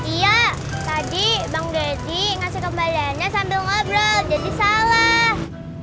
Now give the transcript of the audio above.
iya tadi bang deddy ngasih kembaliannya sambil ngobrol jadi salah